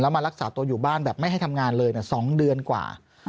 มารักษาตัวอยู่บ้านแบบไม่ให้ทำงานเลย๒เดือนกว่า